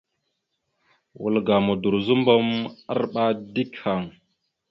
Wal ga Modorəzobom arɓa dik haŋ.